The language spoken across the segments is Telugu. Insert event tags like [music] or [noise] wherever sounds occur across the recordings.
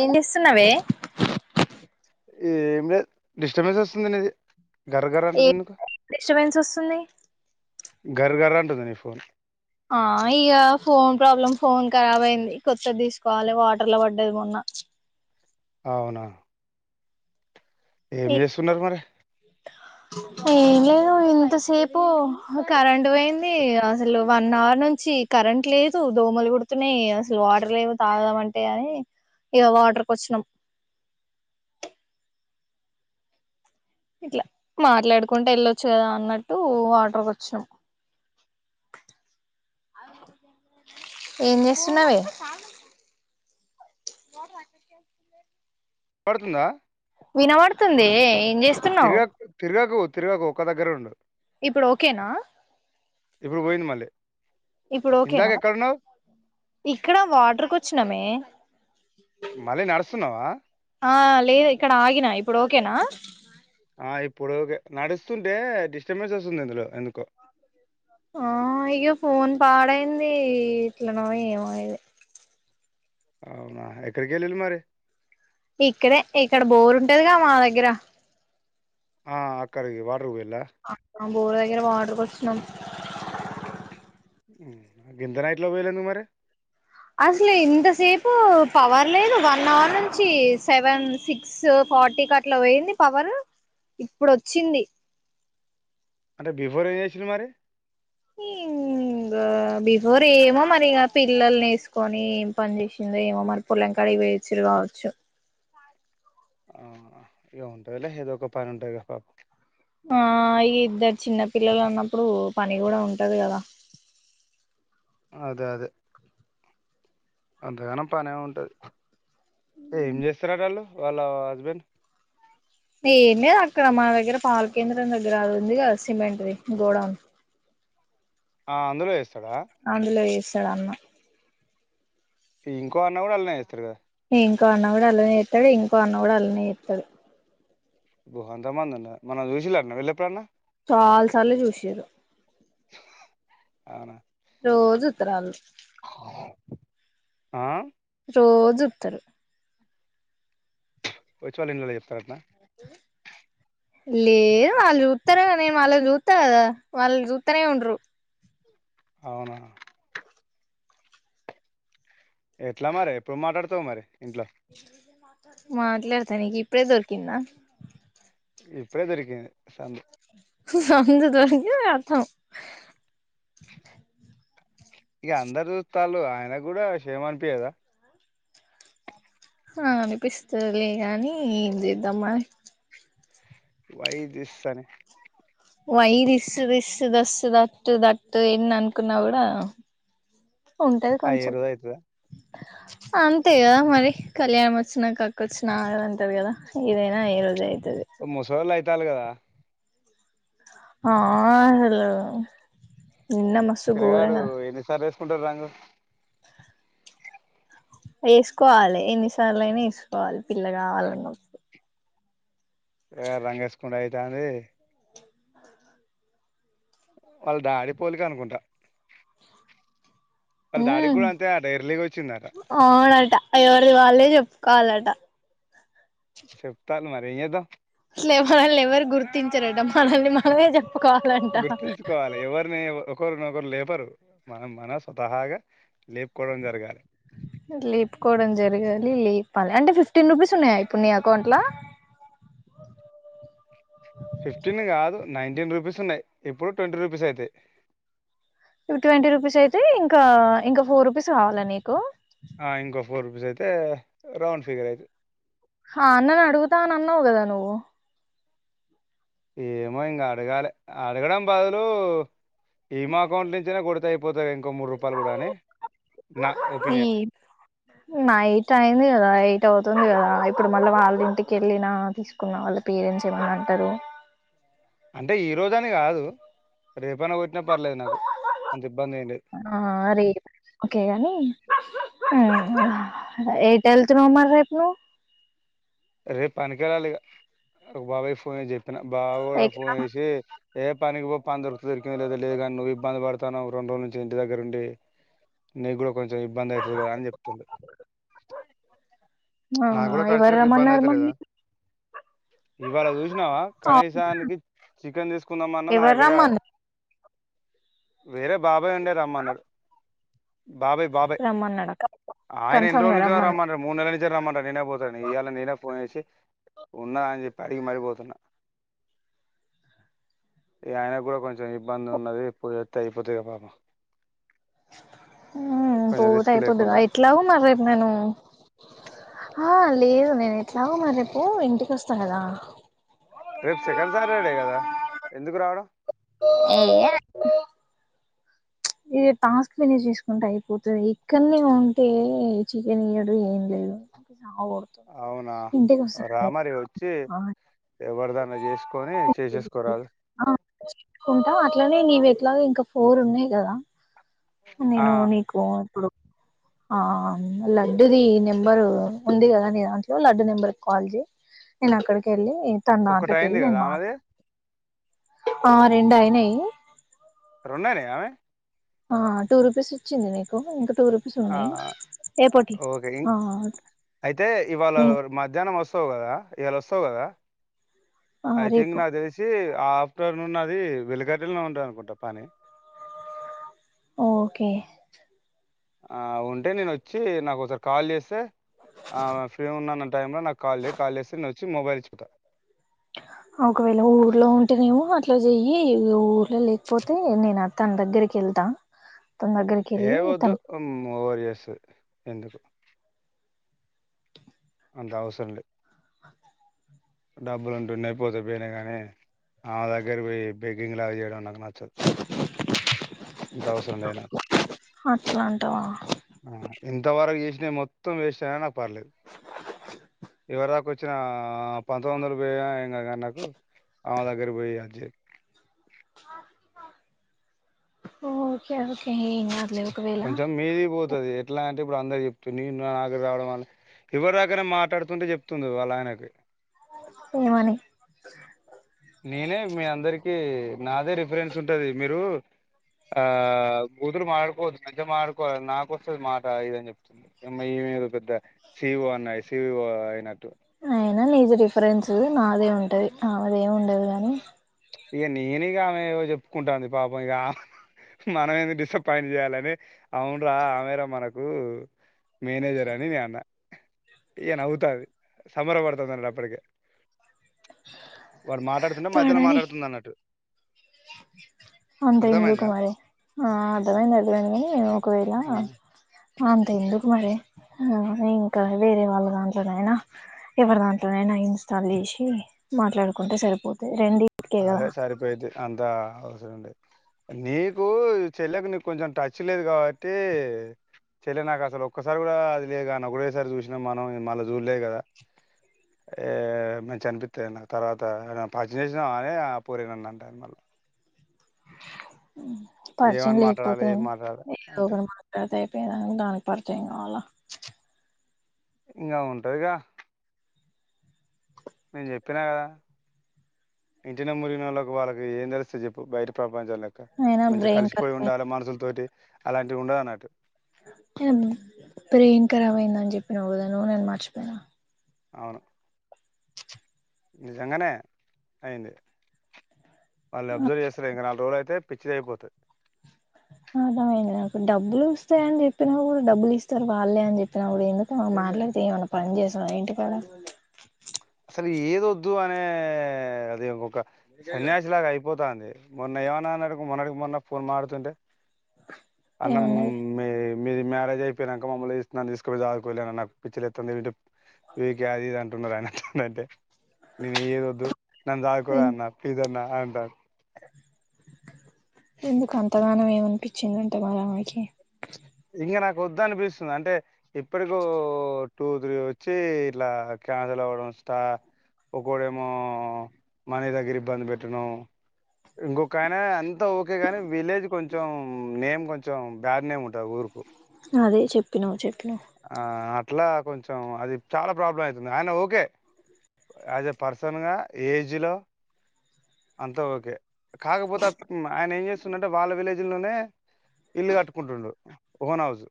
ఏం చేస్తున్నావే ఎం లేద్ డిస్టర్బెన్స్ వస్తుంది నిది ఏ డిస్టబెన్స్ వస్తుంది గర్ గర్ ఉంటుంది నీ ఫోన్ ఆ ఇగ ఫోన్ ప్రాబ్లమ్ ఫోన్ ఖరాబ్ అయింది కొత్తది తీసుకోవాలి వాటర్ ల పడ్డది మొన్న అవునా ఏం చేస్తున్నారు మరి దు ఇంతసేపు కరెంట్ పోయింది అసలు వన్ అవర్ నుంచి కరెంట్ లేదు దోమలు కుడుతున్నాయి అసలు వాటర్ లేవు తాగదాం అంటే అని ఇగ వాటర్కి వచ్చినం ఇట్లా మాట్లాడుకుంటే వెళ్ళొచ్చు కదా అన్నట్టు వాటర్కి వచ్చాం ఏం చేస్తున్నావే [inaudible] పడుతుందా వినబడుతుందియే ఏం చేస్తున్నావు తిరుగకు ఒక్కదగ్గరే ఉండు ఇప్పుడు ఓకేనా ఇప్పుడు పోయింది మళ్ళీ ఇప్పుడు ఇందాక ఓకేనా ఎక్కడున్నావు ఇక్కడ వాటర్కి వచ్చినామే మళ్ళీ నడుస్తున్నావా ఆ లేదు ఇక్కడ ఆగిన ఇప్పుడు ఓకేనా ఆ ఇప్పుడు ఓకే నడుస్ స్తుంటే డిస్టర్బెన్స్ వస్తుంది ఇందులో ఎందుకో ఆ ఇగ ఫోన్ పాడైంది ఎట్లనో ఏమొ ఇది అవునా ఎక్కడికేల్లిల్లు మరి ఇక్కడే ఇక్కడ బోరుంటదిగా మా దగ్గర ఆ అక్కడికి వాట ర్ కుపొఇళ్ల బోరు దగ్గర వాటర్ కొచ్చినం గింత నైట్ల పొఇళ్లేందుకు మరి అసలు ఇంతసేపు పవర్ లేదు వన్ అవర్ నుంచి సెవెన్ సిక్స్ ఫార్టీ కట్లా పోయింది పవర్ ఇప్పుడు వచ్చింది అంటే బిఫోర్ ఏం చేసిళ్ళు మరి ఇంగా బిఫోర్ ఏమో మరి ఇగ పిల్లల్ని ఎసుకొని ఏం పని చేసిందో ఏమో మరి పులంకాడికి పో్యెచిర్రు కావచ్చు ఆ ఇగ ఉంటందిలే ఏదో ఒక పని ఉంటది కదా పాపకి ఆ ఇగ ఇద్దరు చిన్న పిల్లలు అన్నప్పుడు పని కూడా ఉంటది కదా అదే అదే అంతగానం పనే ఉంటుది ఏం చేస్తారట వాళ్ళు వాళ్ళ హస్బెండ్ ఏం లెద్ అక్కడ మా దగ్గర పాల కేేంద్రం దగ్గర అది ఉంది కదా సిమెంట్ది గోడం ఆ అందులో చెస్ అందులో ఎస్ [inaudible] ఇంకో అన్న కూడాళ్నే చేస్తారు కదా ఇంకో అన్న కూడా అల్లనే చేత్తడు ఇంకో అన్న కూడా అల్నే చేత్తడు ఓ అంతమనుదర మనల్ని జూసింద్రా వీలేపుడన్న చాలసార్లు చూసిర్ ఉ అవునా రోజు ఉత్తరాలు ఆ రో చూప్తారు వచ్చి వాళ్ళిలలోచెప్తర అట లేదు వాళ్ళు చూత్తరు నేను వాళ్ళ వి జూత్త కదా వాళ్ళు చూత్త నే ఉండరు అవునా ఎట్లా మరి ఎప్పుడు మాట్లాడుతావు మరి ఏట్లా మాట్లాడతా నీక్ఇప్పుడే దొరికిందా ఇప్పుడే దొరికింది సందుదొరికితే అ టమ్ ఇక అందరుూస్తాలు ఆయన కూడా షేమ్ అంతేగద ఆ అనిపిస్తులేగానీ ఏం చేద్దామా వై థిస్ అనే why this this thus that that ఏన్ని అనుకున్నా కూడా ఉంటది ఆ ఏ కొంచెం రోజు అవుతుందా అంతే కదా మరి కళ్యాణం వచ్చినా కక్ వచ్చినా ఆగదు అంటారు కదా ఏదైనా అయ్యే రోజ్ అయిత ముసలోలు ఆయితే ట్టాలి కదా ఆ హలో నిన్న మస్తు పిల్లగాడు ఘోరంగా [inaudible] వేసుకోవాలి ఎన్నిసార్లు అయినా వేసుకోవాలి పిల్ల కావాలన్నప్పుడు ఇగ రంగు ఎస్ కుడా అయితండి వాళ్ళ డాడీ పోలిక అనుకుంటా ఉ వాళ్ళ డాడీకి కూడా అంతే అట ఎర్లీగా వచ్చిందట అవునట ఎవరిది వాళ్ళే చెపుకోవలట చెప్తాళ్ళు ఏం చేద్దాం అట్లే మనల్ని ఎవరు గుర్తించరట మనల్ని మనమే చే గుర్తుంచుకోవాలి ఎవరిని ఒకరినోకరు లే చెపరు మనం మనస్వతహాగా లేపుకోవడం జరిగాలి లి లేపాలి అంటే ఫిఫ్టీన్ రూపీస్ ఉన్నాయా ఇప్పుడు నీ అకౌంట్ లో ఫిఫ్టీన్ కాదు నైన్టీన్ రూపీస్ ఉన్నాయి ఇప్పుడు ట్వంటీ రూపీస్ అయితాయి ఇ ట్వంటీ రూపీస్ అయితే ఇంకా ఇంకా ఫోర్ రూపీస్ కావాలా నీకు ఆ ఇంకోొ ఫోర్ రూపీస్ అయితే రౌండ్ ఫిగర్ అయిత ఆ అన్నను అడుగుతా అనీ అన్నావ్ కదా నువ్వు ఏమో ఇకా అడగాలి అడగడం బదులు ఈమా అకౌంట్ నుంచనే కొడుతాయి అయిపోతాడు ఈ ఒపీనియన్ నైట్ అయింది కదా ఎయిట్ అవుతుంది కదా ఇప్పుడు మళ్ళీ వాళ్ళ ఇంటికి వెళ్ళిన తీసుకున్న వాళ్ళ పేరెంట్స్ ఏమన్నా అంటారు అంటే ఈ రోజు అని కాదు రేపన పో ఆ రే ఓకేగాని ఏ ఏల్తున్నావ్ మరి రేపు నువ్వు రేపు పనికినికిెళ్ళాలి ఒక బాబాయ్ ఫోన్ చెప్పి అన బావో కూడా ఎక్కడ ఫోన్ చేసి ఏ పనికి పో పని దొరుకుత దొరికింది లేదా లేదు కాగాని నువ్వు ఇబ్బంది పడతావు రెండు రోజు నుంచి ఇంటి దగ్గరుండి నీ కూడా కొంచెం ఇబ్బంది అవుతుంది కదా అని చెప్తుడు నా అవునా కూడా ఎవరు ఖర్చులోకి ఇబ్బంది రమ్మన్నారు మరి అయితలేదా ఇవాళ చూసినావా కనీసానికి చికెన్ తీసుకుందాం అన్న నా ఎవరు దగ్గర రమ్మన్నారు వేరే బాబాయ్ ఉండే రమ్మన్నాడు బాబాయి బాబాయీ రమ్మన్నాడా ఆయన ఎన్ని కన్ఫర్మ్ రోజుల గా నుంచి రమ్మన్నా రమ్మంటే మూడు నెలల నుంచి రమ్మనాడు నేనే పోతలేను ఇయ్యా నేనే ఫోన్ చేసి ఉన్నా అని చెప్పి అడిగి మారి పోతున్నా ఆయన కూడా కొంచెం ఇబ్బంది ఉన్నది పోయి వస్తె అయిపోతది కదా పాప పోత రిస్క్ అయిపోదు లేకుండా ఎట్లా మరి రేపు నేను ఆ లేదు నేను ఎట్లాగ మ రేపు ఇంటికి వస్తా కదా రేపు సెకన్ సాటర్డే కదా ఎందుకు రావడం అవు ఇది టాస్క్ వినే చూసుకుంటే అయిపోతుంది ఇక్కడనే ఉంటే చికెన్ ఇయడు ఏం లేదు ఆతు అవునా ఇంటస ఎవరిదైనా చేసుకొని చేసేసుకోరాాలి అట్లాగ ఇంకా ఫోర్ ఉన్నాయి కదా ఆ నేను నీకుడు ఆ లడ్డుది నెంబరు ఉంది కదా నీ దాంట్లో లడ్డు నెంబర్ కాల్జి నేను అక్కడికి వెళ్ళి ఏ తన ఒకటి నాటలకి వెళ్ళ అయింది కదా నేను ఆమెది మాట్లా ఆ రెండు అయినాయి రొన్నానే ఆమెే ఆ టూ రూపీస్ వచ్చింది నీకు ఇంకా టూ రూపీస్ ఆ ఉన్నాయి రేపటి ఓకే, ఇం ఆ అయితే ఇవాళ నే మధ్యానం వస్స్ వ్ కదా ఇయల వస్సవ్ కదా ఆ ఐథింక్ రేపు నా థెల్సి ఆఫ్టర్నూన్ అది వెలికట్టల్నొ ఉంటాది అనుకుంటా పని ఓకే ఆ ఉంటే నేను వచ్చి నాకు ఒకసారి కాల్ చేస్సే, ఆ ఫ్రీ ఉన్నన్న టైంలో నాకు కాల్ చే కాల్ లేస్సే నేనుచ్చి మొబైల్ ఇచ్చిపొత ఒకవేళ ఊర్లో ఉంటేనేమో అట్ల జెయ్యి ఊర్లో లేక్పోతే నేన తన్ దగ్గరికి ఎళ్తా ఏ వొద్దు ఓంమోరియస్ త్ ఎందుకు అంత అవస్రం లే అే డబ్బులు ఉంటున్నయ్ పోతెపోయ్ నయ్ కానీ, ఆమె దగ్గర పోయి బెగ్గింగ్ లాగా చేయడం నాకు నచ్చద్. లేదు నాకు అట్లాంటవా ఆ ఇంత వరకు చేస్న మొత్తం వేస్టెన నాక్ పర్లేద్ ఎవ్వరాక వచ్చిన, పంత్తవందలు పొయ్నయ్ ఇంగా గాని నాకు ఆమె దగ్గర పోయి అజ్జి ఓకే ఓకే ఏం క కొంచెం మీది పోతది ఎట్లాన్ ఇప్పుడు అందరు చెప్తుంని నీ నాకు రావడం వల్ల ఎవ్వరురాకన మాట్లాడుతుంది చెప్తుంది వాళ్ళ ఆయనకి ఏమని నేనే మీ అందరికి నాదే రిఫరెన్స్ ఉంటది మీరు, ఆ కూదురు మాడాడుకోవద్దు సంజ్య మారుకోలి నాకొస్సది మాట ఇదని చెప్తుంది, ఎమ్మెల్యే ఇవొదొ పెద్ద సిఓ అన్నయ్ సివిఓ అయినట్టు అయినా నీది రిఫరెన్స్ నాదే ఉంటది ఆమెది ఏం ఉండదు గానీ ఇక నేనేగ ఆమె ఏవో చెప్పుకుంటాంది పాపం ఇక, మనంవేమి డిస్సప్పాయింట్ చేయాలని అవున్రా ఆమెరా మనకు మేనేజర్ అని నే అన్న తియ్యనవ్వుతాది, సమర పడతంది అన్ అప్పటికి వాడు మాట్లడుతున్న మధ్యలో పడని మాట్లాడు ట్ అంత ఇందు కుమారే ఆ అర్థమైంది అర్థమైంనీ ఒకవేళ, ఆ అంత ఇందుకు మరి హా ఇంకా వేరే వాళ్ళ దాంట్లోనైనా ఎవరి దాంట్లోనైనా ఇన్స్టాల్ లేసి మాట్లాడుకుంటే సరిపోతది రెండి. అదే సరిపెయిద్ది అంత అవసరం లే, నీకు చెల్లెకు నీకు కొంచెం టచ్ లేదు కాబట్టి, చెల్లె నాకు అసలు ఒక్కసారి కూడా అది లేదు అని ఒకటేసారి చూస్నం మనం ఇ మళ్ళ జూల్లే కదా, ఏ మేము చనిపిసత్తె నా తర్వాత పజ్ స్నవ్ అనేగా ఆ పోర్ నన్ను అంటన్నరు. పరిచయం ఏమని మాట్లాడాలి? లేకపోతే ఏం మాట్లాడాలి? ఏ, ఏదో అంటే ఒకరు మాట్లా తే పేద దానికి పర్చయం కావాలా ఇంగా ఉంటదిగా నేన్ చెప్పినా కదా, ఇంటినం మురిగినొళ్ళకు వాళ్ళకు ఏం తెలుస్సది చెప్పు బయట ప్ర పంచం లెక్క అయినా మంచి బ్రెయిన్ కలిసిపోయ్ ఖరాబ్ ఉండాలె మనషుల్ తోటి అలాంటివి ఉండదు అన్నటు అవును బ్రెయిన్ ఖరాబ్ అయింద అని చెప్పి నవు కదా నువ్వు నేను మర్చిపోనా అవును నిజంగానే అయ్యింది అల్ అబ్జర్వ్ చేస్తలేగాద ఆల్ రోల్ అయితే పిచ్చిది అయిపోతుది అ హా నాకు డబ్బులు వస్తాయ అని చెప్పినా కూడా డబ్బులు ఇస్తారు వాళ్ళే అని చెప్పినాప్పు ఎందుకు మాట్లాడితే ఏమన్నా పని చేశవ ఇంటి కడ అసలు ఏది వద్దు అనే అదే ఓక సన్యాసిలాగాయి పోతుంది మొన్న ఏమైన్నాడికి మొన్నడికి మొన్న ఫోన్ మాడుతుంటే అన్నమ్ ఏమన్నది మీరు మ్యారేజ్ అయిపోయియాక మమ్మల్ని ఇస్తున్నాను తీసుకళ దాదుకోలేన్న నాకు పిచ్చిలు ఎత్తంది ఏంటి అది ఇది అంటున్నారు ఆయన అదే నను ఏదద్దు నన్ను సదుకొండ్లన్న అన్న ప్లీజ్ అన్న అంటా ఎందుకు అంతగానం ఏమనిపించిందంటే మారమకి ఇంకా నాకు వద్ద అనిపిస్తుంది అంటే ఇప్పటిక టూ త్రీ వచ్చి ఇట్లా క్యాన్సల్ అవ్వడం స్టా ఒడేమో మనీ దగ్గర ఇబ్బంది పెట్టడం ఇంకొకయనా ఓకే గాని విలేజ్ కొంచెం నేమ్ కొంచెం బ్యాడ్ నేమ్ ఉంటాంది ఇల్ల ఊరుకు అదే చెప్పినవ్వు చెప్పి ఆ అట్లా కొంచెం అది చాలా ప్రాబ్లం అవుతుంది ఆయన ఓకే యాజ్ ఎ పర్సన్గా ఏజ్లో అంత ఓకే కాకపోతే ఆయన ఏం చేస్తుండంటే వాళ్ళ విలేజ్లోనే ఇల్లు కట్టుకుంటుండు ఓన్ హౌస్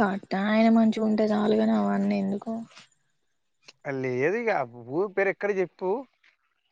కట్టాఆయన మంచిగా ఉంటే చాలుగాని అవన్నీ ఎందుకు అ లేదు ఇగా ఊరి పేరు ఎక్కడ చెప్పు